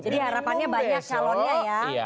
jadi harapannya banyak calonnya ya